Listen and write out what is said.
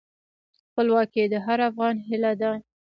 خپلواکي د هر افغان هیله ده.